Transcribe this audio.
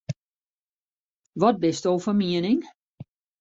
Wat bisto fan miening?